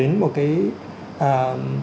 tương ứng của các doanh nghiệp